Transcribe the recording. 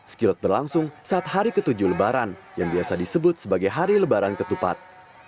skilot berlangsung saat hari ketujuh lebaran yang biasa disebut sebagai hari lebaran ketupat